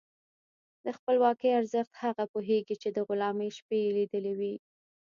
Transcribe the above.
د خپلواکۍ ارزښت هغه پوهېږي چې د غلامۍ شپې یې لیدلي وي.